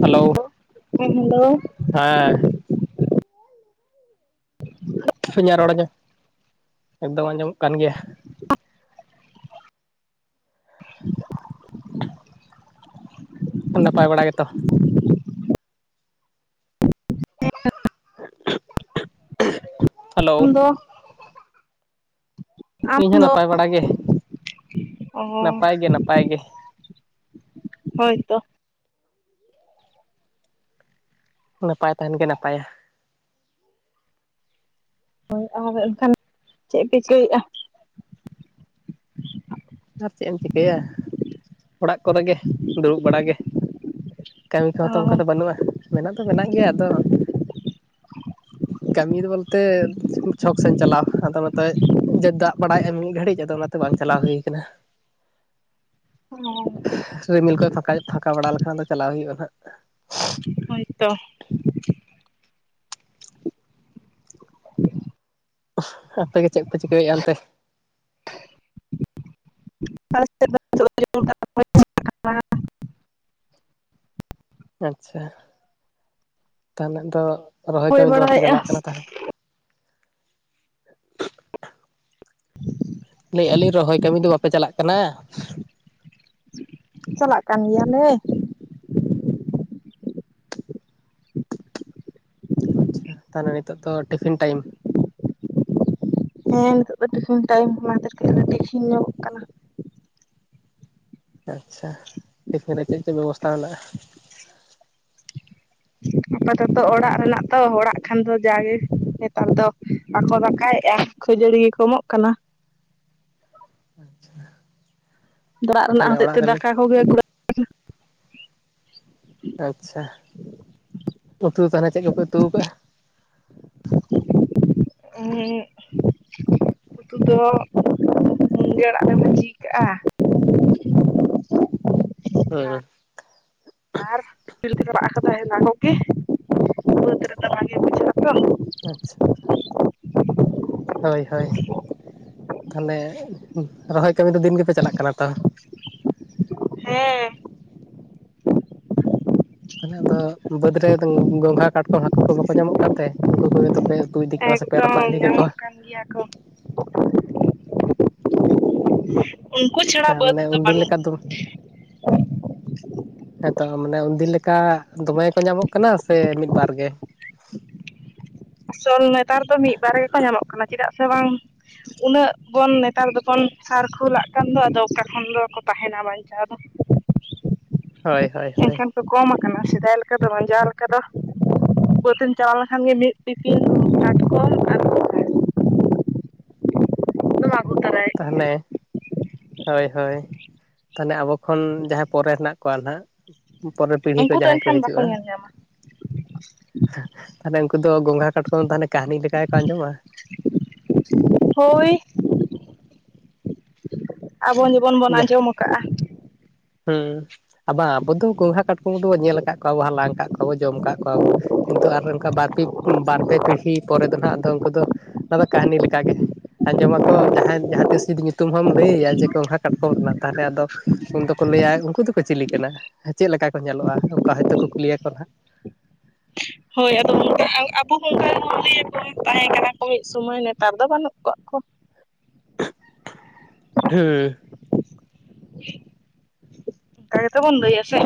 Hello ᱦᱮᱸ hello. ᱦᱮᱸᱻ [inaudible] ᱤᱧᱟᱜ ᱨᱚᱲ ᱟᱸᱡᱚᱢ [inaudible] ᱮᱠᱫᱚᱢ ᱟᱸᱡᱚᱢᱚᱜ ᱠᱟᱱ ᱜᱮᱭᱟ ᱾ [inaudible] [inaudible] ᱱᱟᱯᱟᱭ ᱵᱟᱲᱟ ᱜᱮᱛᱚ? [inaudible] ᱦᱮᱞᱳ ᱟᱢ ᱾ ᱫᱚ ᱟᱢ ᱤᱧ ᱦᱚᱸ ᱫᱚ ᱱᱟᱯᱟᱭ ᱵᱟᱲᱟ ᱜᱮ ᱚ ᱾ [inaudible] ᱱᱟᱯᱟᱭ ᱜᱮ ᱱᱟᱯᱟᱭ ᱜᱮ ᱾ ᱦᱳᱭ ᱛᱚ, ᱱᱟᱯᱟᱭ ᱛᱟᱦᱮᱱ ᱜᱮ ᱱᱟᱯᱟᱭᱟ ᱾ ᱦᱳᱭ ᱟᱨ ᱮᱱᱠᱷᱟᱱ ᱪᱮᱫ ᱯᱮ ᱪᱤᱠᱟᱹᱭᱮᱜᱼᱟ? ᱟᱨ ᱪᱮᱫ ᱮᱢ ᱪᱤᱠᱟᱹᱭᱟ, ᱚᱲᱟᱜ ᱠᱚᱨᱮ ᱜᱮ ᱫᱩᱲᱩᱵ ᱵᱟᱲᱟ ᱜᱮ ᱾ ᱠᱟᱹᱢᱤ ᱠᱚᱦᱚ ᱚ ᱛᱚ ᱚᱱᱠᱟ ᱫᱚ ᱵᱟᱹᱱᱩᱜᱼᱟ, ᱢᱮᱱᱟᱜ ᱫᱚ ᱢᱮᱱᱟᱜ ᱜᱮᱭᱟ ᱟᱫᱚ᱾ ᱠᱟᱹᱢᱤ ᱫᱚ ᱵᱚᱞᱛᱮᱫ ᱪᱷᱚᱠ ᱥᱮᱱ ᱪᱟᱞᱟᱣ ᱟᱫᱚ ᱱᱚᱛᱮᱡ ᱡᱟ ᱫᱟᱜ ᱵᱟᱲᱟᱭᱮᱜᱼᱟ, ᱢᱤᱫ ᱜᱷᱟᱹᱲᱤᱡ ᱟᱫᱚ ᱚᱱᱟᱛᱮ ᱵᱟᱝ ᱪᱟᱞᱟᱣ ᱦᱳᱭ ᱠᱟᱱᱟ ᱾ ᱦᱮ ᱨᱤᱢᱤᱞ ᱠᱚᱭ ᱯᱷᱟᱠᱟᱭᱮᱜ ᱯᱷᱟᱠᱟ ᱵᱟᱲᱟ ᱞᱮᱠᱷᱟᱱ ᱫᱚ, ᱪᱟᱞᱟᱣ ᱦᱳᱭᱩᱜᱼᱟ ᱱᱟᱦᱟᱜ ᱾ ᱦᱳᱭ ᱛᱚ ᱾ [unintelligible] ᱟᱦ ᱟᱯᱮ ᱜᱮ ᱪᱮᱫ ᱯᱮ ᱪᱤᱠᱟᱹᱭᱮᱜᱼᱟ ᱚᱱᱛᱮ? [unintelligible] [unintelligible] [inaudible] [unintelligible] ᱟᱪᱪᱷᱟ ᱛᱟᱦᱞᱮ ᱫᱚ, ᱨᱚᱦᱚᱭ ᱦᱩᱭ ᱠᱟᱹᱢᱤ ᱫᱚ ᱵᱟᱯᱮ ᱵᱟᱲᱟᱭᱮᱫᱼᱟ ᱪᱟᱞᱟᱜ ᱠᱟᱱᱟ ᱛᱟᱦᱚᱞᱮ? [inaudible] ᱞᱟᱹᱭᱮᱜᱼᱟᱞᱤᱧ ᱨᱚᱦᱚᱭ ᱠᱟᱹᱢᱤ ᱫᱚ ᱵᱟᱯᱮ ᱪᱟᱞᱟᱜ ᱠᱟᱱᱟ? ᱪᱟᱞᱟᱜ ᱠᱟᱱ ᱜᱮᱭᱟ ᱞᱮ ᱾ ᱟᱪᱪᱷᱟ ᱛᱟᱦᱚᱞᱮ ᱱᱤᱛᱚᱜ ᱫᱚ, ᱴᱤᱯᱷᱤᱱ ᱴᱟᱭᱤᱢ? ᱦᱮᱸ ᱱᱤᱛᱚᱜ ᱫᱚ ᱴᱤᱯᱷᱤᱱ ᱴᱟᱭᱤᱢ, ᱚᱱᱟ ᱠᱷᱟᱛᱤᱨ ᱠᱟᱹᱡ ᱴᱤᱯᱷᱤᱱ ᱧᱚᱜᱚᱜ ᱠᱟᱱᱟ ᱾ ᱟᱪᱪᱷᱟ ᱴᱤᱯᱷᱤᱱ ᱨᱮ ᱪᱮᱫ ᱪᱮᱫ ᱵᱮᱵᱚᱥᱛᱷᱟ ᱢᱮᱱᱟᱜᱼᱟ? [inaudible] ᱟᱯᱟᱛᱚᱛᱚ ᱚᱲᱟᱜ ᱨᱮᱱᱟᱜ ᱛᱚ, ᱦᱚᱲᱟᱜ ᱠᱷᱟᱱ ᱫᱚ ᱡᱟᱜᱮ ᱱᱮᱛᱟᱨ ᱫᱚ ᱵᱟᱠᱚ ᱫᱟᱠᱟᱭᱮᱜᱼᱟ ᱾ ᱠᱷᱟᱹᱡᱟᱹᱲᱤ ᱜᱮᱠᱚ ᱮᱢᱚᱜ ᱠᱟᱱᱟ᱾ ᱟᱪᱪᱷᱟ, ᱛᱚᱨᱟᱜ ᱨᱮᱱᱟᱜ ᱦᱚᱛᱮᱡ ᱛᱮ ᱫᱟᱠᱟ ᱠᱚᱜᱮ [inaudible] [unintelligible] ᱟᱪᱪᱷᱟ ᱩᱛᱩ ᱫᱚ ᱛᱟᱦᱚᱞᱮ ᱪᱮᱫ ᱠᱚᱯᱮ ᱩᱛᱩ ᱠᱟᱜᱼᱟ? [inaudible] ᱮᱸᱻᱻᱜ, ᱩᱛᱩ ᱫᱚ ᱢᱩᱱᱜᱟᱹ ᱟᱲᱟᱜ ᱞᱮ ᱵᱷᱟᱹᱡᱤ ᱠᱟᱜᱼᱟ ᱾ ᱦᱮᱸ, ᱦᱮᱸ᱾ ᱟᱨ [unintelligible] ᱛᱟᱦᱮ ᱱᱟᱠᱚᱜ ᱠᱤ ᱵᱟᱹᱫᱽ ᱨᱮᱫᱚ ᱵᱟᱝᱮ ᱵᱩᱡᱷᱟᱹᱜᱼᱟ ᱛᱚ ᱾ [unintelligible] ᱟᱪᱪᱷᱟ, ᱦᱳᱭ ᱦᱳᱭ ᱛᱟᱦᱚᱞᱮ ᱨᱚᱦᱚᱭ ᱠᱟᱹᱢᱤ ᱫᱚ, ᱫᱤᱱ ᱜᱮᱯᱮ ᱪᱟᱞᱟᱜ ᱠᱟᱱᱟ ᱛᱚ? ᱦᱮᱸ, ᱛᱟᱦᱚᱞᱮ ᱟᱫᱚ ᱵᱟᱹᱫᱽ ᱨᱮ ᱫᱚᱝ ᱜᱚᱝᱜᱷᱟ ᱠᱟᱴᱠᱚᱢ ᱦᱟᱠᱩ ᱠᱚ ᱵᱟᱠᱚ ᱧᱟᱢᱚᱜ ᱠᱟᱱᱛᱮ? ᱩᱱᱠᱩ ᱠᱚᱜᱮ ᱛᱚᱯᱮ ᱩᱛᱩ ᱤᱫᱤ ᱠᱚᱣᱟ ᱥᱮ ᱯᱮ ᱨᱟᱯᱟᱜ ᱮᱠᱫᱚᱢ ᱤᱫᱤ ᱠᱮᱠᱚᱣᱟ᱾ ᱧᱟᱢᱚᱜ ᱠᱟᱱ ᱜᱤᱭᱟ ᱠᱚ᱾ ᱩᱱᱠᱩ ᱠᱟ ᱪᱷᱟᱲᱟ ᱵᱟᱹᱫᱽ ᱢᱟᱱᱮ ᱫᱚ ᱩᱱᱫᱤᱱ ᱵᱟᱹᱱᱩᱜ ᱞᱮᱠᱟ ᱫᱚ ᱦᱮᱛᱚ ᱢᱟᱱᱮ ᱩᱱᱫᱤᱱ ᱞᱮᱠᱟ ᱫᱚᱢᱮ ᱠᱚ ᱧᱟᱢᱚᱜ ᱠᱟᱱᱟ ᱥᱮ ᱢᱤᱫ ᱵᱟᱨ ᱜᱮ? [inaudible] ᱟᱥᱚᱞ ᱱᱮᱛᱟᱨ ᱫᱚ ᱢᱤᱫ ᱵᱟᱨ ᱜᱮᱠᱚ ᱧᱟᱢᱚᱜ ᱠᱟᱱᱟ ᱪᱮᱫᱟᱜ ᱥᱮ ᱵᱟᱝ᱾ ᱩᱱᱟᱹᱜ ᱵᱚᱱ ᱱᱮᱛᱟᱨ ᱫᱚᱵᱚᱱ ᱥᱟᱨ ᱠᱷᱩᱞᱟᱜ ᱠᱟᱱ ᱫᱚ, ᱟᱫᱚ ᱚᱠᱟ ᱠᱷᱚᱱ ᱫᱚᱠᱚ ᱛᱟᱦᱮᱱᱟ ᱵᱟᱧᱪᱟᱣ ᱫᱚ᱾ ᱦᱚᱭ, ᱦᱚᱭ, ᱦᱚᱭ᱾ ᱛᱚ ᱠᱚᱢ ᱠᱟᱱᱟ ᱥᱮᱫᱟᱭ ᱞᱮᱠᱟ ᱫᱚ, ᱡᱟᱣ ᱞᱮᱠᱟ ᱫᱚ, ᱵᱟᱹᱛᱮᱢ ᱪᱟᱞᱟᱣ ᱞᱮᱱᱠᱷᱟᱱ ᱜᱮ ᱢᱤᱫ ᱴᱤᱯᱤᱝ ᱠᱟᱴᱠᱚᱢ ᱟᱨ ᱫᱚᱢ ᱫᱚᱢ ᱟᱜᱩ ᱛᱟᱨᱟᱭ ᱦᱟᱞᱮ ᱦᱳᱭ ᱦᱳᱭ, ᱛᱟᱦᱚᱞᱮ ᱟᱵᱚ ᱠᱷᱚᱱ ᱡᱟᱦᱟᱸᱭ ᱯᱚᱨᱮ ᱦᱮᱱᱟᱜ ᱠᱚᱣᱟ ᱱᱟᱦᱟᱜ ᱯᱚᱨᱮ ᱯᱤᱲᱦᱤ ᱠᱚ ᱩᱱᱠᱩ ᱫᱚ ᱡᱟᱦᱟᱸᱭ ᱠᱚ ᱮᱱᱠᱷᱟᱱ ᱵᱟᱠᱚ ᱦᱤᱡᱩᱜᱼᱟ᱾ ᱧᱮᱞ ᱧᱟᱢᱟ ᱛᱟᱦᱞᱮ ᱩᱱᱠᱩ ᱫᱚ ᱜᱚᱸᱝᱜᱷᱟ, ᱠᱟᱴᱠᱚᱢ, ᱛᱟᱦᱚᱞᱮ ᱠᱟᱹᱦᱱᱤ ᱞᱮᱠᱟ ᱜᱮᱠᱚ ᱟᱸᱡᱚᱢᱟ? ᱦᱳᱭ, ᱟᱵᱚ ᱵᱚᱱ ᱵᱚᱱ ᱡᱟ ᱟᱸᱡᱚᱢ ᱟᱠᱟᱜᱼᱟ᱾ ᱦᱩᱸ ᱟᱨ ᱵᱟᱝ ᱟᱵᱚ ᱫᱚ ᱜᱚᱸᱝᱜᱷᱟ, ᱠᱟᱴᱠᱚᱢ ᱫᱚ ᱧᱮᱞ ᱟᱠᱟᱫ ᱠᱚᱣᱟ ᱵᱚᱱ, ᱦᱟᱞᱟᱝ ᱟᱠᱟᱫ ᱠᱚᱣᱟ ᱵᱚᱱ ᱡᱚᱢ ᱟᱠᱟᱜ ᱠᱚᱣᱟ ᱵᱚ, ᱠᱤᱱᱛᱩ ᱟᱨ ᱚᱝᱠᱟ ᱵᱟᱨ ᱯᱮ ᱯᱤᱲᱦᱤ ᱯᱚᱨᱮ ᱫᱚ ᱱᱟᱸᱜ ᱫᱚ ᱩᱱᱠᱩ ᱫᱚ ᱚᱱᱟ ᱫᱚ ᱠᱟᱹᱦᱱᱤ ᱞᱮᱠᱟᱜᱮ ᱟᱸᱡᱚᱢᱟᱠᱚ ᱡᱟᱦᱟᱸᱭ ᱡᱟᱦᱟᱸ ᱛᱤᱥ ᱡᱩᱫᱤ ᱧᱩᱛᱩᱢ ᱦᱚᱢ ᱞᱟᱹᱭᱟ ᱡᱮ ᱜᱚᱸᱝᱜᱷᱟ, ᱠᱟᱴᱠᱚᱢ ᱠᱚᱢ ᱨᱮᱱᱟᱜ ᱛᱟᱦᱚᱞᱮ ᱟᱫᱚ ᱩᱱ ᱫᱚᱠᱚ ᱞᱟᱹᱭᱟ ᱩᱱᱠᱩ ᱫᱚᱠᱚ ᱪᱤᱞᱤ ᱠᱟᱱᱟ ᱪᱮᱫ ᱞᱮᱠᱟ ᱠᱚ ᱧᱮᱞᱚᱜᱼᱟ? ᱚᱱᱠᱟ ᱦᱚᱭᱼᱛᱳ ᱠᱚ ᱠᱩᱞᱤᱭᱟᱠᱚ ᱱᱟᱸᱜ? ᱦᱳᱭ ᱟᱫᱚ ᱚᱱᱠᱟ ᱟᱵᱚ ᱦᱚᱸ ᱚᱱᱠᱟ ᱞᱟᱹᱭᱟ ᱠᱚ ᱛᱟᱦᱮᱸ ᱠᱟᱱᱟ ᱠᱚ ᱢᱤᱫ ᱥᱚᱢᱚᱭ ᱱᱮᱛᱟᱨ ᱫᱚ ᱵᱟᱹᱱᱩᱜ ᱠᱟᱜ ᱠᱚᱣᱟ᱾ ᱦᱩᱸ᱾ ᱛᱟᱭ ᱛᱚ ᱵᱚᱱ ᱞᱟᱹᱭ ᱟᱥᱮ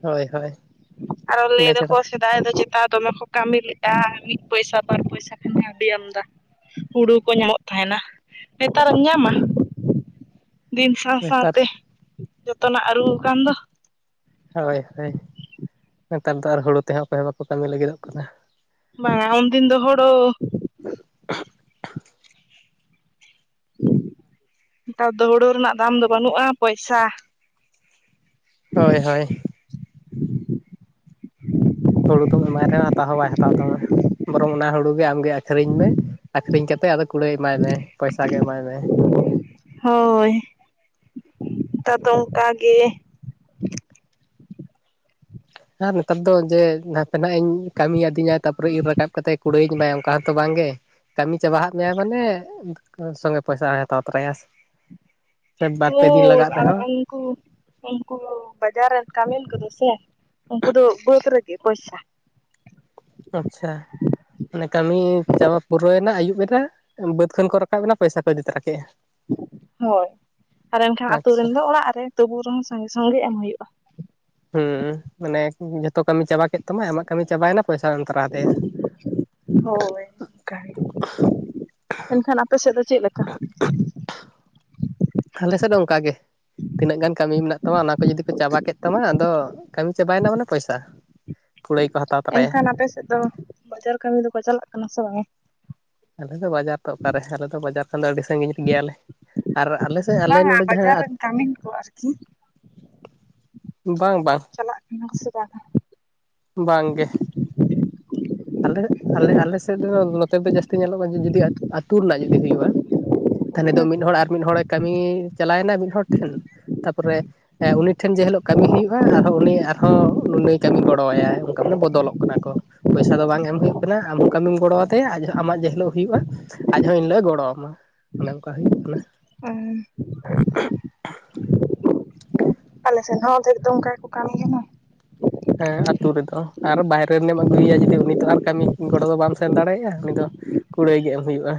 ᱦᱳᱭ, ᱦᱳᱭ᱾ ᱟᱨᱚ ᱞᱟᱹᱭ ᱤᱱᱟᱹ ᱫᱟᱠᱚ ᱪᱷᱟᱲᱟ ᱥᱮ ᱥᱮᱫᱟᱭ ᱫᱚ ᱪᱮᱛᱟ ᱫᱚᱢᱮ ᱠᱚ ᱠᱟᱹᱢᱤ ᱞᱮᱜᱼᱟ, ᱢᱤᱫ ᱯᱚᱭᱥᱟ ᱵᱟᱨ ᱯᱚᱭᱥᱟ ᱠᱷᱟᱱᱜᱮ ᱟᱹᱰᱤ ᱟᱢᱫᱟ᱾ ᱦᱩᱲᱩ ᱠᱚ ᱧᱟᱢᱚᱜ ᱛᱟᱦᱮᱱᱟ, ᱱᱮᱛᱟᱨ ᱮᱢ ᱧᱟᱢᱟ? ᱫᱤᱱ ᱥᱟᱶ ᱱᱮᱛᱟᱨ ᱥᱟᱶᱛᱮ ᱡᱚᱛᱚᱱᱟᱜ ᱟᱹᱨᱩ ᱟᱠᱟᱱ ᱫᱚ᱾ ᱦᱳᱭ ᱦᱳᱭ, ᱱᱮᱛᱟᱨ ᱫᱚ ᱟᱨ ᱦᱩᱲᱩ ᱛᱮᱦᱚᱸ ᱚᱠᱚᱭ ᱦᱚᱸ ᱵᱟᱠᱚ ᱠᱟᱹᱢᱤ ᱞᱟᱹᱜᱤᱫᱚᱜ ᱠᱟᱱᱟ᱾ ᱵᱟᱝ ᱟ, ᱩᱱᱫᱤᱱ ᱫᱚ ᱦᱩᱲᱩ ᱱᱮᱛᱟᱨ ᱫᱚ ᱦᱩᱲᱩ ᱨᱮᱱᱟᱜ ᱫᱟᱢ ᱫᱚ ᱵᱟᱹᱱᱩᱜᱼᱟ, ᱯᱚᱭᱥᱟ ᱦᱳᱭ, ᱦᱳᱭ᱾ ᱦᱩᱲᱩ ᱫᱚᱢ ᱮᱢᱟᱭ ᱨᱮᱦᱚᱸ ᱦᱟᱛᱟᱣ ᱦᱚᱸ ᱵᱟᱭ ᱦᱟᱛᱟᱣ ᱛᱟᱢᱟ᱾ ᱵᱚᱨᱚᱝ ᱚᱱᱟ ᱦᱩᱲᱩ ᱜᱮ ᱟᱢᱜᱮ ᱟᱹᱠᱷᱨᱤᱧ ᱢᱮ ᱟᱹᱠᱷᱨᱤᱧ ᱠᱟᱛᱮᱜ, ᱟᱫᱚ ᱠᱩᱲᱟᱹᱭ ᱮᱢᱟᱭ ᱢᱮ ᱯᱚᱭᱥᱟ ᱜᱮ ᱮᱢᱟᱭ ᱢᱮ ᱦᱳᱭ, ᱱᱮᱛᱟᱨ ᱫᱚ ᱚᱝᱠᱟ ᱜᱮ᱾ ᱟᱨ ᱱᱮᱛᱟᱨ ᱫᱚ ᱡᱮ ᱱᱟᱛᱮᱱᱟᱜ ᱠᱟᱹᱢᱤ ᱟᱹᱫᱤᱭᱟ, ᱛᱟᱨᱯᱚᱨᱮ ᱤᱨ ᱨᱟᱠᱟᱵ ᱠᱟᱛᱮ ᱠᱩᱲᱟᱹᱭᱤᱧ ᱮᱢᱟᱭᱟ ᱚᱱᱠᱟ ᱦᱚᱸᱛᱚ ᱵᱟᱝ ᱜᱮ᱾ ᱠᱟᱹᱢᱤ ᱪᱟᱵᱟᱼᱟᱜ ᱢᱮᱭᱟᱭ ᱢᱟᱱᱮ ᱥᱚᱸᱜᱮ ᱯᱚᱭᱥᱟ ᱦᱟᱛᱟᱣ ᱛᱚᱨᱟᱭᱟ᱾ ᱥᱮ ᱵᱟᱨ ᱯᱮ ᱫᱤᱱ ᱦᱳᱭ ᱞᱟᱜᱟᱜ ᱟᱨ ᱨᱮᱦᱚᱸ ᱩᱱᱠᱩ ᱩᱱᱠᱩ ᱵᱟᱡᱟᱨ ᱨᱮᱱ ᱠᱟᱹᱢᱤᱱ ᱠᱚᱫᱚ ᱥᱮ ᱩᱱᱠᱩ ᱫᱚ ᱵᱟᱹᱫᱽ ᱨᱮᱜᱮ ᱯᱚᱭᱥᱟ᱾ ᱟᱪᱪᱷᱟ᱾ ᱢᱟᱱᱮ ᱠᱟᱹᱢᱤ ᱪᱟᱵᱟ ᱯᱩᱨᱟᱹᱣᱮᱱᱟ, ᱟᱹᱭᱩᱵ ᱮᱱᱟ, ᱵᱟᱹᱫᱽ ᱠᱷᱚᱱ ᱠᱚ ᱨᱟᱠᱟᱵ ᱮᱱᱟ, ᱯᱚᱭᱥᱟ ᱠᱚ ᱤᱫᱤ ᱛᱟᱨᱟ ᱠᱮᱜᱼᱟ᱾ ᱦᱳᱭ ᱟᱨ ᱮᱱᱠᱷᱟᱱ ᱟᱹᱛᱩ ᱟᱪᱪᱷᱟ ᱨᱮᱱ ᱫᱚ ᱚᱲᱟᱜ ᱨᱮ ᱛᱩᱵᱩ ᱨᱮᱦᱚᱸ ᱥᱟᱸᱜᱮ ᱥᱚᱝᱜᱮ ᱮᱢ ᱦᱩᱭᱩᱜᱼᱟ᱾ ᱦᱩᱸᱢ ᱢᱟᱱᱮ ᱡᱷᱚᱛᱚ ᱠᱟᱹᱢᱤ ᱪᱟᱵᱟ ᱠᱮᱫ ᱛᱟᱢᱟ, ᱟᱢᱟᱜ ᱠᱟᱹᱢᱤ ᱪᱟᱵᱟᱭᱮᱱᱟ ᱯᱚᱭᱥᱟ ᱮᱢ ᱛᱟᱨᱟᱫ ᱮᱭᱟ᱾ ᱦᱳᱭ ᱚᱱᱠᱟ ᱜᱮ ᱮᱱᱠᱷᱟᱱ ᱟᱯᱮ ᱥᱮᱫ ᱫᱚ ᱪᱮᱫ ᱞᱮᱠᱟ? ᱟᱞᱮᱥᱮᱫ ᱫᱚ ᱚᱱᱠᱟ ᱜᱮ ᱜᱮ ᱛᱤᱱᱟᱹᱜ ᱜᱟᱱ ᱠᱟᱹᱢᱤ ᱢᱮᱱᱟᱜ ᱛᱟᱢᱟ ᱚᱱᱟ ᱠᱚ ᱡᱩᱫᱤ ᱠᱚ ᱪᱟᱵᱟ ᱠᱮᱫ ᱛᱟᱢᱟ ᱟᱫᱚ ᱠᱟᱹᱢᱤ ᱪᱟᱵᱟᱭᱮᱱᱟ ᱢᱟᱱᱮ ᱯᱚᱭᱥᱟ ᱠᱩᱲᱟᱹᱭ ᱠᱚ ᱦᱟᱛᱟᱣ ᱛᱚᱨᱟᱭᱟ ᱮᱱᱠᱷᱟᱱ ᱟᱯᱮᱥᱮᱫ ᱫᱚ ᱵᱟᱡᱟᱨ ᱠᱟᱹᱢᱤ ᱫᱚᱠᱚ ᱪᱟᱞᱟᱜ ᱠᱟᱱᱟ ᱥᱮ ᱵᱟᱝ ᱟᱞᱮ ᱫᱚ ᱵᱟᱡᱟᱨ ᱛᱚ ᱚᱠᱟᱨᱮ ᱟᱞᱮ ᱫᱚ ᱵᱟᱡᱟᱨ ᱠᱷᱟᱱ ᱫᱚ ᱟᱹᱰᱤ ᱥᱟᱺᱜᱤᱧ ᱜᱮᱭᱟᱞᱮ ᱟᱨ ᱟᱞᱮᱥᱮᱫ ᱟᱞᱮ ᱵᱟᱝᱟ ᱱᱚᱰᱮ ᱵᱟᱡᱟᱨ ᱡᱟᱦᱟᱸ ᱨᱮᱱ ᱠᱟᱹᱢᱤᱱ ᱠᱚ ᱟᱨᱠᱤ᱾ [inaudible] ᱵᱟᱝ, ᱵᱟᱝ᱾ ᱪᱟᱞᱟᱜ ᱠᱟᱱᱟ ᱯᱮᱥᱮ ᱵᱟᱝᱼᱟ? ᱵᱟᱝ ᱜᱮ᱿ ᱟᱞᱮ ᱟᱞᱮ ᱟᱞᱮᱥᱮᱫ ᱨᱮᱫᱚ ᱱᱚᱛᱮ ᱨᱮᱫᱚ ᱡᱟᱹᱥᱛᱤ ᱧᱮᱞᱚᱜᱼᱟ, ᱡᱩᱫᱤ ᱟᱹᱛᱩ ᱨᱮᱱᱟᱜ ᱡᱩᱫᱤ ᱦᱩᱭᱩᱜᱼᱟ᱾ ᱛᱟᱦᱚᱞᱮ ᱫᱚ ᱢᱤᱫ ᱦᱚᱲ ᱟᱨ ᱢᱤᱫ ᱦᱚᱲᱮ ᱠᱟᱹᱢᱤ ᱪᱟᱞᱟᱣ ᱮᱱᱟ ᱢᱤᱫ ᱦᱚᱲ ᱴᱷᱮᱱ ᱛᱟᱨᱯᱚᱨᱮ ᱦᱮᱸ ᱩᱱᱤ ᱴᱷᱮᱱ ᱡᱮ ᱦᱤᱞᱳᱜ ᱠᱟᱹᱢᱤ ᱦᱩᱭᱩᱜᱼᱟ ᱟᱨᱦᱚᱸ ᱩᱱᱤ ᱟᱨᱦᱚᱸ ᱩᱱᱤᱭ ᱠᱟᱹᱢᱤ ᱜᱚᱲᱚᱣᱟᱭᱟᱭ ᱚᱱᱠᱟ ᱢᱟᱱᱮ ᱵᱚᱫᱚᱞᱚᱜ ᱠᱟᱱᱟ ᱠᱚ᱾ ᱯᱚᱭᱥᱟ ᱫᱚ ᱵᱟᱝ ᱮᱢ ᱦᱩᱭᱩᱜ ᱠᱟᱱᱟ ᱟᱢᱦᱚᱸ ᱠᱟᱹᱢᱤᱢ ᱜᱚᱲᱚ ᱟᱫᱮᱭᱟ᱾ ᱟᱢᱟᱜ ᱡᱮ ᱦᱤᱞᱚᱜ ᱦᱩᱭᱩᱜᱼᱟ ᱟᱡᱽᱦᱚᱸ ᱤᱱ ᱦᱤᱞᱚᱜ ᱮ ᱜᱚᱲᱚ ᱟᱢᱟ, ᱚᱱᱮ ᱚᱱᱠᱟ ᱦᱩᱭᱩᱜ ᱠᱟᱱᱟ᱾ ᱦᱩᱸ᱾ ᱟᱞᱮᱥᱮᱱ ᱦᱚᱸ ᱚᱨᱫᱷᱮᱠ ᱫᱚ ᱚᱱᱠᱟ ᱜᱮᱠᱚ ᱠᱟᱹᱢᱤ ᱠᱟᱱᱟ᱾ ᱦᱮᱸ ᱟᱹᱛᱩ ᱨᱮᱫᱚ ᱟᱨ ᱵᱟᱭᱨᱮ ᱨᱮᱱᱮᱢ ᱟᱹᱜᱩᱭᱮᱭᱟ, ᱡᱩᱫᱤ ᱩᱱᱤ ᱛᱚ ᱟᱨ ᱠᱟᱹᱢᱤ ᱜᱚᱲᱚ ᱫᱚ ᱵᱟᱢ ᱥᱮᱱ ᱫᱟᱲᱮᱭᱟᱜᱼᱟ, ᱩᱱᱤ ᱫᱚ ᱠᱩᱲᱟᱹᱭ ᱜᱮ ᱮᱢ ᱦᱩᱭᱩᱜᱼᱟ᱾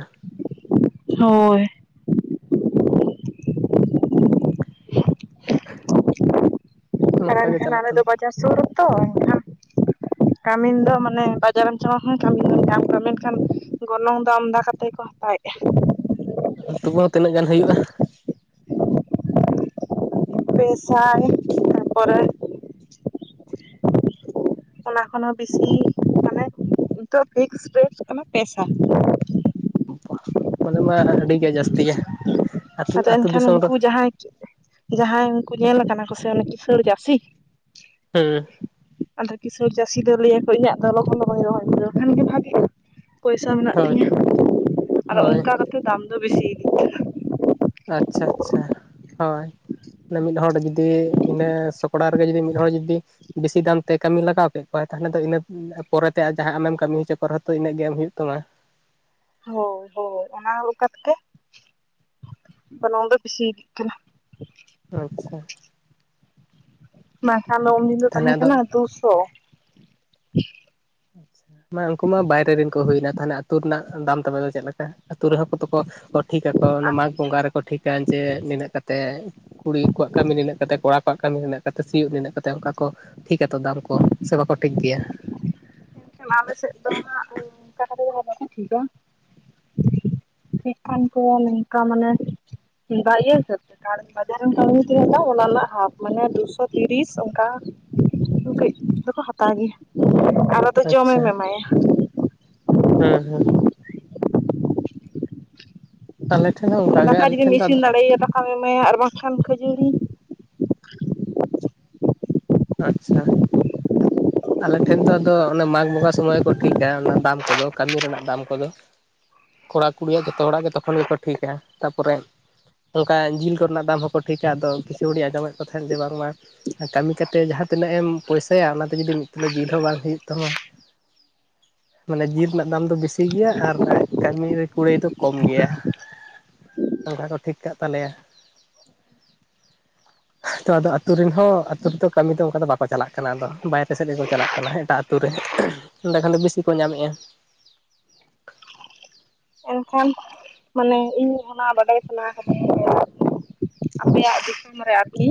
ᱦᱳᱭ᱾ ᱟᱨ ᱱᱚᱝᱠᱟ ᱜᱮ ᱮᱱᱠᱷᱟᱱ ᱪᱟᱞᱟᱜ ᱟᱞᱮ ᱫᱚ ᱠᱟᱱᱟ ᱵᱟᱡᱟᱨ ᱥᱩᱨ ᱨᱮᱛᱚ ᱮᱱᱠᱷᱟᱱ [inaudible] ᱠᱟᱹᱢᱤᱱ ᱫᱚ ᱢᱟᱱᱮ ᱵᱟᱡᱟᱨ ᱮᱢᱚ ᱪᱟᱞᱟᱜ ᱞᱮᱱᱠᱷᱟᱱ ᱦᱚᱸ ᱠᱟᱹᱢᱤᱱ ᱫᱚᱢ ᱧᱟᱢ ᱠᱟᱭᱟ ᱢᱮᱱᱠᱷᱟᱱ ᱜᱚᱱᱚᱝ ᱫᱚ ᱟᱱᱫᱟ ᱠᱟᱛᱮ ᱠᱚ ᱦᱟᱛᱟᱣ ᱮᱫᱟ᱾ [inaudible] ᱛᱚᱵᱩ ᱛᱤᱱᱟᱹᱜ ᱜᱟᱱ ᱦᱩᱭᱩᱜᱼᱟ? ᱯᱮᱥᱟᱭ ᱛᱟ ᱯᱚᱨᱮ ᱚᱱᱟ ᱠᱷᱚᱱ ᱦᱚᱸ ᱵᱮᱥᱤ, ᱢᱟᱱᱮ ᱱᱤᱛᱚ ᱯᱷᱥᱠᱥ ᱨᱮᱴ ᱷᱳᱭᱳ ᱠᱟᱱᱟ ᱯᱮᱥᱟᱭ᱾ ᱢᱟᱱᱮ ᱢᱟ ᱟᱹᱰᱤ ᱜᱮ ᱡᱟᱹᱥᱛᱤᱭᱟ ᱟᱹᱛᱩ ᱟᱫᱚ ᱟᱹᱛᱩ ᱮᱱᱠᱷᱟᱱ ᱫᱤᱥᱚᱢ ᱨᱮ ᱩᱱᱠᱩ ᱡᱟᱦᱟᱸᱭ ᱡᱟᱦᱟᱸᱭ ᱩᱱᱠᱩ ᱧᱮᱞ ᱠᱟᱱᱟ ᱠᱚ ᱥᱮ ᱠᱤᱥᱟᱹᱟᱹᱲ ᱪᱟᱹᱥᱤ ᱦᱩᱸ᱾ ᱟᱞᱮ ᱠᱤᱥᱟᱹᱬ ᱪᱟᱹᱥᱤᱞᱮ ᱞᱟᱹᱭ ᱟᱠᱚᱭᱟ ᱤᱧᱟᱹᱜ ᱫᱚ ᱞᱚᱜᱚᱱ ᱞᱚᱜᱚᱱ ᱨᱚᱦᱚᱭᱞᱮ ᱠᱷᱟᱱ ᱜᱮ ᱵᱷᱟᱹᱜᱮ᱾ ᱯᱚᱭᱥᱟ ᱢᱮᱱᱟᱜ ᱦᱳᱭ ᱛᱤᱧᱟᱹ, ᱟᱫᱚ ᱦᱳᱭ ᱚᱱᱠᱟ ᱠᱟᱛᱮ ᱫᱟᱢ ᱫᱚ ᱵᱮᱥᱤ ᱤᱫᱤ ᱠᱟᱱᱟ᱾ ᱟᱪᱪᱷᱟ ᱟᱪᱪᱷᱟ, ᱦᱳᱭ᱾ ᱢᱤᱫ ᱦᱚᱲ ᱡᱩᱫᱤ ᱤᱱᱟᱹ ᱥᱚᱠᱲᱟ ᱨᱮᱜᱮ ᱡᱩᱫᱤ ᱢᱤᱫ ᱦᱚᱲᱚ ᱡᱩᱫᱤ ᱵᱮᱥᱤ ᱫᱟᱢ ᱛᱮ ᱠᱟᱹᱢᱤ ᱞᱟᱜᱟᱣ ᱠᱮᱫ ᱠᱚᱣᱟᱭ ᱛᱟᱦᱚᱞᱮ ᱫᱚ ᱤᱱᱟᱹ ᱯᱚᱨᱮᱛᱮ ᱡᱟᱦᱟᱸ ᱟᱢᱮᱢ ᱠᱟᱹᱢᱤ ᱦᱚᱪᱚᱠᱚ ᱨᱮᱷ ᱛᱚ ᱤᱱᱟᱹᱜ ᱜᱮ ᱮᱢ ᱦᱩᱭᱩᱜ ᱛᱟᱢᱟ᱾ ᱦᱳᱭ ᱦᱳᱭ, ᱚᱱᱟ ᱞᱮᱠᱟ ᱛᱮ ᱜᱮ ᱜᱚᱱᱚᱝ ᱫᱚ ᱵᱮᱥᱤ ᱤᱫᱤᱜ ᱠᱟᱱᱟ᱾ ᱟᱪᱪᱷᱟᱹ᱾ ᱵᱟᱝ ᱠᱷᱟᱱ ᱫᱚ ᱩᱱ ᱫᱤᱱ ᱫᱚ ᱛᱟᱦᱚᱞᱮ ᱛᱟᱦᱮᱸ ᱟᱫᱚ ᱠᱟᱱᱟ, ᱫᱩᱥᱚ᱾ ᱢᱟ ᱩᱱᱠᱩ ᱢᱟ ᱵᱟᱭᱨᱮ ᱨᱮᱱ ᱠᱚ ᱦᱩᱭᱮᱱᱟ, ᱛᱟᱦᱞᱮ ᱟᱹᱛᱩ ᱨᱮᱱᱟᱜ ᱫᱟᱢ ᱛᱟᱯᱮ ᱫᱚ ᱪᱮᱫ ᱞᱮᱠᱟ? ᱟᱹᱛᱩ ᱨᱮᱦᱚᱸ ᱠᱚᱛᱚᱠᱚ ᱴᱷᱤᱠ ᱟᱠᱚ, ᱢᱟᱜᱽ ᱵᱚᱸᱜᱟ ᱨᱮᱠᱚ ᱴᱷᱤᱠ ᱟᱠ ᱡᱮ ᱱᱤᱱᱟᱹᱜ ᱠᱟᱛᱮ ᱠᱩᱲᱤ ᱠᱚᱣᱟᱜ ᱠᱟᱹᱢᱤ ᱱᱤᱱᱟᱹ ᱠᱟᱛᱮ, ᱠᱚᱲᱟ ᱠᱚᱣᱟᱜ ᱠᱟᱹᱢᱤ ᱱᱤᱱᱟᱹ ᱠᱟᱛᱮ? ᱥᱤᱭᱩᱜ ᱨᱮᱭᱟᱜ ᱠᱟᱛᱷᱟ, ᱚᱱᱠᱟ ᱠᱚ ᱴᱷᱤᱠ ᱟᱛᱚ ᱫᱟᱢ ᱠᱚ ᱥᱮ ᱵᱟᱠᱚ ᱴᱷᱤᱠ ᱜᱮᱭᱟ᱾ ᱢᱮᱱᱠᱷᱟᱱ ᱟᱞᱮ ᱥᱮᱫ ᱫᱚ ᱦᱟᱜ ᱟᱱᱠᱟ ᱫᱚ ᱵᱟᱞᱮ ᱴᱷᱤᱠᱟ [inaudible] ᱮᱠᱟᱞ ᱠᱚ ᱱᱚᱝᱠᱟ ᱢᱟᱱᱮ ᱤᱭᱟᱹ ᱦᱤᱥᱟᱹᱵᱽ ᱛᱮ ᱟᱨ ᱠᱟᱡᱟᱨ ᱨᱮᱢ ᱠᱟᱹᱢᱤ ᱠᱷᱟᱱ ᱚᱱᱟ ᱨᱮᱱᱟᱜ ᱦᱟᱯ ᱢᱟᱱᱮ ᱫᱩᱥᱚ ᱛᱤᱨᱤᱥ ᱚᱱᱠᱟ ᱠᱟᱹᱡᱽ ᱫᱚᱠᱚ ᱦᱟᱛᱟᱣ ᱜᱮᱭᱟ᱾ ᱟᱨᱚ ᱟᱪᱪᱷᱟ, ᱦᱩᱸ ᱦᱩᱸ᱾ ᱟᱞᱮ ᱴᱷᱮᱱ ᱦᱚᱸ ᱚᱱᱠᱟ ᱜᱮ ᱫᱟᱠᱟ ᱟᱞᱮ ᱡᱩᱫᱤᱢ ᱴᱷᱮᱱ ᱫᱚ ᱤᱥᱤᱱ ᱟᱫᱚ ᱫᱟᱲᱮᱭᱟ ᱫᱟᱠᱟᱢ ᱮᱢᱟᱭᱟ ᱟᱨ ᱵᱟᱝᱠᱷᱟᱱ ᱠᱷᱟᱹᱡᱟᱹᱲᱤ ᱟᱪᱪᱷᱟ᱾ ᱟᱞᱮ ᱴᱷᱮᱱ ᱫᱚ ᱟᱫᱚ ᱢᱟᱜᱽ ᱵᱚᱸᱜᱟ ᱥᱚᱢᱚᱭ ᱠᱚ ᱴᱷᱤᱠᱟ᱾ ᱚᱱᱟ ᱫᱟᱢ ᱠᱚᱫᱚ ᱠᱟᱹᱢᱤ ᱨᱮᱱᱟᱜ ᱫᱟᱢ ᱠᱚᱫᱚ ᱠᱚᱲᱟ ᱠᱩᱲᱤᱭᱟᱜ ᱡᱚᱛᱚ ᱦᱚᱲᱟᱜ ᱜᱮ ᱛᱚᱠᱷᱚᱱ ᱜᱮᱠᱚ ᱴᱷᱤᱠᱟ, ᱛᱟᱨᱯᱚᱨᱮ ᱚᱱᱠᱟ ᱡᱤᱞ ᱠᱚᱨᱮᱱᱟᱜ ᱫᱟᱢ ᱦᱚᱸᱠᱚ ᱴᱷᱤᱠᱟ ᱟᱫᱚ ᱠᱤᱪᱷᱩ ᱦᱚᱲᱤᱧ ᱟᱸᱡᱚᱢᱮᱫ ᱠᱚ ᱛᱟᱦᱮᱸᱫ ᱡᱮ ᱵᱟᱝᱢᱟ ᱠᱟᱹᱢᱤ ᱠᱟᱛᱮᱫᱼᱼ ᱛᱮ ᱡᱟᱦᱟ ᱛᱤᱱᱟᱹᱜ ᱮᱢ ᱯᱚᱭᱥᱟᱭᱟ ᱚᱱᱟᱛᱮ ᱡᱩᱫᱤ ᱢᱤᱫ ᱛᱩᱞᱳᱜ ᱡᱤᱞ ᱦᱚᱸ ᱵᱟᱝ ᱦᱩᱭᱩᱜ ᱛᱟᱢᱟᱼᱼ ᱢᱟᱱᱮ ᱡᱤᱞ ᱨᱮᱱᱟᱜ ᱫᱟᱢ ᱫᱚ ᱵᱮᱥᱤ ᱜᱮᱭᱟ ᱟᱨ ᱠᱟᱹᱢᱤ ᱠᱩᱲᱟᱹᱭ ᱫᱚ ᱠᱚᱢ ᱜᱮᱭᱟ᱾ ᱚᱱᱠᱟ ᱠᱚ ᱴᱷᱤᱠ ᱠᱟᱜ ᱛᱟᱞᱮᱭᱟ᱾ ᱛᱚ ᱟᱫᱚ ᱟᱹᱛᱩ ᱨᱮᱱ ᱦᱚᱸ ᱟᱛᱳ ᱨᱮᱛᱼᱼ ᱠᱟᱹᱢᱤ ᱫᱚᱚ ᱚᱱᱠᱟ ᱫᱚ ᱵᱟᱠᱚ ᱪᱟᱞᱟᱜ ᱠᱟᱱᱟ ᱟᱫᱚ ᱵᱟᱭᱨᱮ ᱥᱮᱫ ᱜᱮᱠᱚ ᱪᱟᱞᱟᱜ ᱠᱟᱱᱟ ᱮᱴᱟᱜ ᱟᱛᱩ ᱨᱮᱼᱼ ᱮᱸᱰᱮ ᱠᱷᱟᱱ ᱫᱚ ᱵᱮᱥᱤ ᱠᱚ ᱧᱟᱢ ᱮᱫᱼᱟ ᱮᱱᱠᱷᱟᱱ ᱢᱟᱱᱮ ᱤᱧ ᱚᱱᱟ ᱵᱟᱰᱟᱭ ᱥᱟᱱᱟ ᱠᱟᱹᱫᱤᱧᱟ ᱡᱮᱼᱼ ᱟᱯᱮᱭᱟᱜ ᱫᱤᱥᱚᱢ ᱨᱮ ᱟᱨᱠᱤᱼᱼ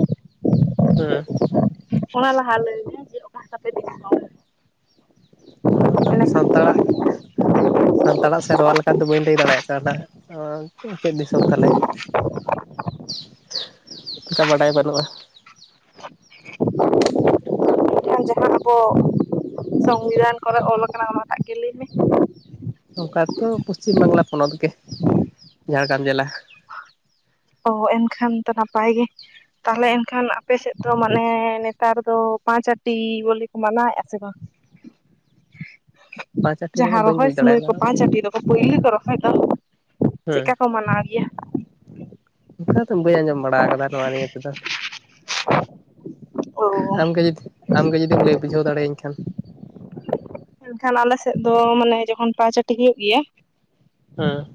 ᱦᱚᱢ ᱚᱱᱟ ᱞᱟᱦᱟ ᱞᱟᱹᱭ ᱢᱮ ᱡᱮ ᱚᱠᱟ ᱛᱟᱯᱮ ᱫᱤᱥᱚᱢ? ᱟᱵᱚ ᱥᱟᱱᱛᱟᱲᱟᱜᱼᱼ ᱮᱸᱰᱮᱠᱷᱟᱱ ᱥᱟᱱᱛᱟᱲᱟᱜ ᱥᱮᱨᱣᱟ ᱞᱮᱠᱟ ᱫᱚ ᱵᱟᱹᱧ ᱞᱟᱹᱭ ᱫᱟᱲᱮᱭᱟᱜ ᱠᱟᱱᱟ ᱪᱮᱫ ᱫᱤᱥᱚᱢ ᱛᱟᱞᱮ? ᱚᱱᱠᱟ ᱵᱟᱰᱟᱭ ᱵᱟᱹᱱᱩᱜᱼᱟ᱾ ᱡᱟᱦᱟᱸ ᱟᱵᱚ ᱥᱚᱝᱵᱤᱫᱷᱟᱱ ᱠᱚᱨᱮ ᱚᱞᱚ ᱟᱠᱟᱱᱟᱜ ᱜᱮ ᱞᱟᱹᱭ ᱢᱮ? ᱚᱱᱠᱟ ᱛᱚ ᱯᱚᱥᱪᱷᱤᱢ ᱵᱟᱝᱞᱟ ᱯᱚᱱᱚᱛ ᱜᱮ ᱡᱷᱟᱲᱜᱨᱟᱢ ᱡᱮᱞᱟ᱾ ᱚ ᱮᱱᱠᱷᱟᱱ ᱫᱚ ᱱᱟᱯᱟᱭ ᱜᱮ᱾ ᱛᱟᱦᱞᱮ ᱮᱱᱠᱷᱟᱱ ᱟᱯᱮ ᱥᱮᱫ ᱫᱚ ᱢᱟᱱᱮ ᱱᱮᱛᱟᱨ ᱫᱚ ᱯᱟᱸᱪ ᱟᱴᱤ ᱵᱚᱞᱮ ᱠᱚ ᱢᱟᱱᱟᱣᱮᱫᱼᱟ ᱥᱮ ᱵᱟᱝ? [inaudible] ᱢᱟᱱᱮ ᱡᱟᱦᱟᱸ ᱵᱟᱹᱧ ᱨᱚᱦᱚᱭ ᱵᱩᱡᱽ ᱥᱚᱢᱚᱭ ᱠᱚ ᱫᱟᱲᱮᱭᱟᱫᱟ ᱯᱟᱸᱪ ᱟᱹᱴᱤ ᱫᱚᱼᱼ ᱯᱩᱭᱞᱩ ᱠᱚ ᱨᱚᱦᱚᱭ ᱫᱚ ᱦᱮᱸ ᱪᱮᱫᱠᱟ ᱠᱚ ᱢᱟᱱᱟᱣ ᱜᱮᱭᱟ᱾ ᱚᱱᱠᱟ ᱫᱚ ᱵᱟᱹᱧ ᱟᱸᱡᱚᱢ ᱵᱟᱲᱟ ᱟᱠᱟᱫᱟ ᱱᱚᱣᱟ ᱱᱤᱭᱟᱹ ᱛᱮᱫᱚ᱾ ᱚ ᱟᱢᱜᱮ ᱡᱩᱫᱤᱢ ᱞᱟᱹᱭ ᱵᱩᱡᱷᱟᱹᱣ ᱫᱟᱲᱮᱭᱟᱹᱧ ᱠᱷᱟᱱ? ᱢᱮᱱᱱᱠᱷᱟᱱ ᱟᱞᱮᱥᱮᱫ ᱫᱚ ᱢᱟᱱᱮ ᱡᱚᱠᱷᱚᱱ ᱯᱟᱸᱪᱟᱹᱴᱤ ᱦᱩᱭᱩᱜ ᱜᱮᱭᱟ᱾ ᱦᱩᱢ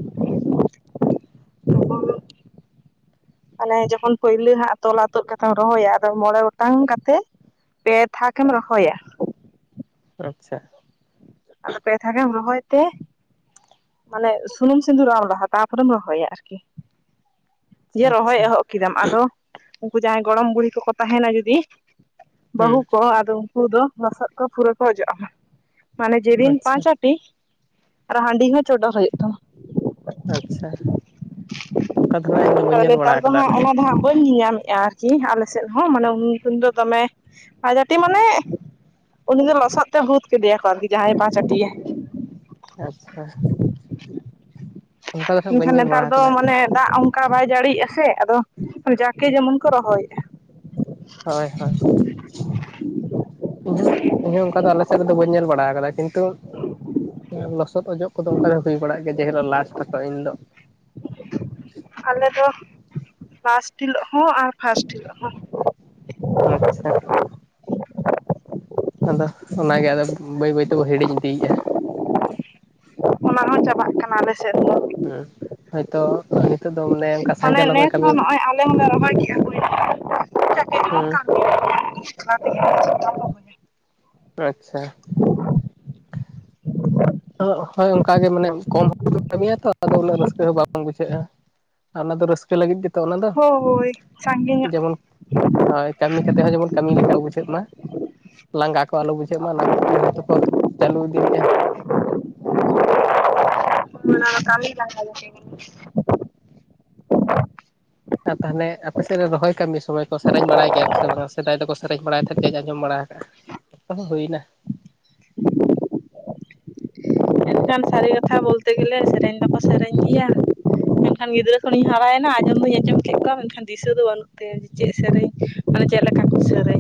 [inaudible] ᱢᱟᱱᱮ ᱡᱚᱠᱷᱚᱱ ᱯᱟᱹᱭᱞᱟᱹ ᱟᱜ ᱛᱚᱞᱟ ᱛᱩᱫ ᱠᱟᱛᱮᱢ ᱨᱚᱦᱚᱭᱟ ᱟᱫᱚ ᱢᱚᱬᱮ ᱜᱚᱴᱟᱝ ᱠᱟᱛᱮᱼᱼ ᱯᱮ ᱛᱷᱟᱠᱮᱢ ᱨᱚᱦᱚᱭᱟ᱾ ᱟᱪᱷᱟ ᱟᱫᱚ ᱯᱮ ᱛᱷᱟᱠ ᱮᱢ ᱨᱚᱦᱚᱭ ᱛᱮᱼᱼ ᱛᱟᱦᱞᱮ ᱥᱩᱱᱩᱢ ᱥᱤᱱᱫᱩᱨᱟᱜᱢ ᱞᱟᱦᱟ ᱛᱟᱨ ᱯᱚᱨ ᱮᱢ ᱨᱚᱦᱚᱭᱟ ᱡᱮ ᱨᱚᱦᱚᱭ ᱟᱪᱪᱷᱟ ᱮᱦᱚᱵ ᱠᱮᱫᱟᱢ ᱟᱫᱚ ᱩᱱᱠᱩ ᱡᱟᱦᱟᱸᱭ ᱜᱚᱲᱚᱢ ᱵᱩᱲᱦᱤ ᱠᱚᱠᱚ ᱛᱟᱦᱮᱱᱟ ᱡᱩᱫᱤᱼᱼ ᱦᱮᱸ ᱵᱟᱹᱦᱩ ᱠᱚ ᱟᱫᱚ ᱩᱱᱠᱩ ᱫᱚ ᱞᱚᱥᱚᱫ ᱠᱚ ᱯᱩᱨᱟᱹ ᱠᱚ ᱚᱡᱚᱜ ᱟᱢᱟ᱾ ᱢᱟᱱᱮ ᱡᱮᱫᱤᱱ ᱟᱪᱪᱷᱟ ᱯᱟᱸᱪ ᱟᱹᱴᱤ ᱟᱨ ᱦᱟᱹᱰᱤ ᱦᱚᱸ ᱪᱚᱰᱚᱨ ᱦᱩᱭᱩᱜ ᱛᱟᱢᱟ ᱟᱪᱪᱷᱟ᱾ ᱚᱱᱠᱟ ᱫᱚ ᱦᱟᱸᱜ ᱤᱧ ᱫᱚ ᱵᱟᱹᱧ ᱧᱮᱞ ᱵᱟᱲᱟ ᱱᱮᱛᱟᱨ ᱟᱠᱟᱫᱟ ᱫᱚᱦᱟᱜ ᱟᱞᱮ ᱥᱮᱫ ᱚᱱᱟ ᱫᱚᱦᱟᱜ ᱵᱟᱹᱧ ᱧᱮᱞᱧᱟᱧᱼᱼ ᱠᱤ ᱟᱞᱮᱥᱮᱫ ᱦᱚᱸᱢᱟᱱᱮ ᱩᱱ ᱡᱚᱠᱷᱚᱱ ᱫᱚᱢᱮ ᱯᱟᱸᱪᱟᱴᱤ ᱢᱟᱱᱮ ᱩᱱᱤ ᱫᱚ ᱞᱚᱥᱚᱫ ᱛᱮ ᱵᱷᱩᱛ ᱠᱮᱫᱮᱭᱟ ᱠᱚ ᱟᱨᱠᱤ ᱡᱟᱦᱟᱸᱭᱮ ᱯᱟᱸᱪ ᱟᱹᱴᱤᱭᱟ᱾ ᱟᱪᱷᱟ ᱦᱟᱸᱜ ᱵᱟᱹᱧ ᱧᱮᱞ ᱱᱮᱛᱟᱨ ᱵᱟᱲᱟ ᱫᱚ ᱟᱠᱟᱫᱟ ᱢᱟᱱᱮ ᱫᱟᱜ ᱚᱱᱠᱟ ᱵᱟᱭ ᱡᱟᱲᱤᱭᱟ ᱥᱮ ᱟᱫᱚ ᱡᱟᱠᱮ ᱡᱮᱢᱚᱱ ᱠᱚ ᱨᱚᱦᱚᱭᱟ ᱦᱚᱭ ᱦᱚᱭ ᱤᱧᱦᱩ ᱤᱧᱦᱩ ᱚᱱᱠᱟ ᱫᱚ ᱟᱞᱮᱥᱮᱫ ᱨᱮᱫᱚ ᱵᱟᱹᱧ ᱧᱮᱞ ᱵᱟᱲᱟ ᱟᱠᱟᱫᱟ ᱠᱤᱱᱛᱩᱼᱼ ᱞᱚᱥᱚᱫ ᱚᱡᱚᱜ ᱠᱚᱫᱚ ᱚᱱᱠᱟ ᱫᱚ ᱦᱩᱭ ᱵᱟᱲᱟᱜ ᱜᱮᱭᱟ ᱡᱮ ᱦᱤᱞᱚᱜ ᱞᱟᱥᱴ ᱛᱟᱠᱚ ᱤᱱ ᱦᱤᱞᱚᱜ᱾ ᱟᱞᱮ ᱫᱚ ᱞᱟᱥᱴ ᱦᱤᱞᱚᱜ ᱦᱚᱸ ᱟᱨ ᱯᱷᱟᱥᱴ ᱦᱤᱞᱚᱜ ᱦᱚᱸ ᱟᱪᱪᱷᱟ᱾ ᱟᱫᱚ ᱚᱱᱟᱜᱮ ᱟᱫᱚ ᱵᱟᱹᱭ ᱵᱟᱹᱭ ᱛᱮᱵᱚ ᱦᱤᱲᱤᱧ ᱤᱫᱤᱭᱮᱫᱼᱟ ᱾ ᱚᱱᱟ ᱦᱚᱸ ᱪᱟᱵᱟᱜ ᱠᱟᱱᱟ ᱟᱞᱮ ᱥᱮᱫ ᱫᱚ ᱾ [inaudible] ᱦᱚᱭᱛᱚ ᱾ ᱱᱚᱜᱼᱚᱭ ᱱᱤᱛᱚᱜ ᱫᱚᱼᱼ [unintelligible] ᱦᱮᱸ [unintelligible] ᱟᱪᱪᱷᱟ ᱾ [unintelligible] ᱚ ᱚᱱᱠᱟ ᱜᱮ ᱢᱟᱱᱮ [unintelligible] ᱩᱱᱟᱹᱜ ᱨᱟᱹᱥᱠᱟᱹ ᱫᱚ ᱵᱟᱝ ᱵᱩᱡᱷᱟᱹᱜᱼᱟ ᱾ ᱚᱱᱟ ᱠᱚ ᱨᱟᱹᱥᱠᱟᱹ ᱞᱟᱹᱜᱤᱫ ᱛᱮᱼᱼ ᱚᱱᱟ ᱫᱚ ᱦᱳᱭ ᱥᱟᱸᱜᱮ ᱧᱚᱜ ᱡᱮᱢᱚᱱ ᱮᱸ ᱠᱟᱹᱢᱤ ᱠᱟᱛᱮ ᱦᱚᱸ ᱠᱟᱹᱢᱤ ᱞᱮᱠᱟ ᱜᱮᱼᱼ ᱩᱡᱟᱹᱜ [unintelligible] ᱞᱟᱸᱜᱟ ᱠᱚ ᱟᱞᱚ ᱵᱩᱡᱷᱟᱹᱜ ᱢᱟ, ᱚᱱᱟ ᱠᱷᱟᱹᱛᱤᱨ ᱜᱮ ᱦᱚᱭᱛᱳ ᱠᱚ ᱪᱟᱹᱞᱩ ᱤᱫᱤ ᱞᱮᱫᱼᱟ ᱾ ᱠᱟᱹᱢᱤ ᱞ [unintelligible] ᱟᱨ ᱛᱟᱦᱚᱞᱮ ᱟᱯᱮ ᱥᱮᱫ ᱨᱮ ᱨᱚᱦᱚᱭ ᱠᱟᱹᱢᱤ ᱥᱚᱢᱚᱭ ᱠᱚ ᱥᱮᱨᱮᱧ ᱵᱟᱲᱟᱭ ᱜᱮᱭᱟ ᱥᱮ ᱵᱟᱝᱟ? ᱥᱮᱫᱟᱭ ᱫᱚᱠᱚ ᱥᱮᱨᱮᱧ ᱵᱟᱲᱟᱭ ᱟᱠᱟᱫ ᱜᱮᱭᱟ ᱟᱸᱡᱚᱢ ᱵᱟᱲᱟ ᱟᱠᱟᱜᱼᱟ ᱾ [inaudible] ᱮ [inaudible] ᱦᱩᱭᱱᱟ ᱮᱱᱠᱷᱟᱱ ᱥᱟᱹᱨᱤ ᱠᱟᱛᱷᱟ ᱵᱚᱞᱛᱮ ᱜᱮᱞᱮ ᱥᱮᱨᱮᱧ ᱫᱚᱠᱚ ᱥᱮᱨᱮᱧ ᱜᱮᱭᱟ ᱾ ᱢᱮᱱᱠᱷᱟᱱ ᱜᱤᱫᱽᱨᱟᱹ ᱠᱷᱚᱱᱤᱧ ᱦᱟᱨᱟᱭᱮᱱᱟ ᱟᱸᱡᱚᱢ ᱫᱚᱧ ᱟᱸᱡᱚᱢ ᱠᱮᱫ ᱠᱚᱣᱟ, ᱢᱮᱱᱠᱷᱟᱱ ᱫᱤᱥᱟᱹ ᱫᱚ ᱵᱟᱹᱱᱩᱜ ᱛᱤᱧᱟ ᱡᱮ ᱪᱮᱫ ᱥᱮᱨᱮᱧ ᱾ ᱢᱟᱱᱮ ᱪᱮᱫ ᱞᱮᱠᱟ ᱠᱚ ᱥᱮᱹᱨᱮᱧ ᱾